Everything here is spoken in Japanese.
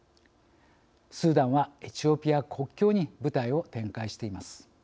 スーダンはエチオピア国境に部隊を展開しています。